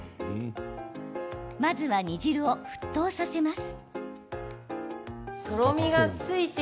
まずは煮汁を沸騰させます。